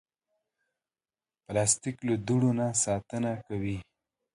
پلاستيک له دوړو نه ساتنه کوي.